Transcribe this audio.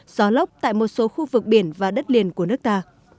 gió lốc tại một số khu vực biển và đất liền của nước ta